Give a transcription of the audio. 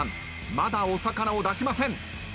まだお魚を出しません。